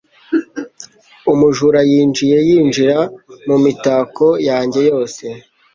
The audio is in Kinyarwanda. Umujura yinjiye yinjira mu mitako yanjye yose.